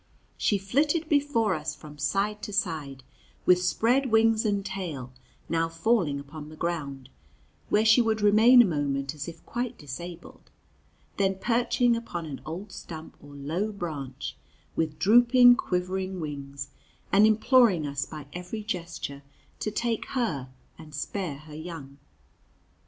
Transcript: She flitted before us from side to side, with spread wings and tail, now falling upon the ground, where she would remain a moment as if quite disabled, then perching upon an old stump or low branch with drooping, quivering wings, and imploring us by every gesture to take her and spare her young.